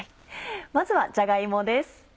まずはじゃが芋です。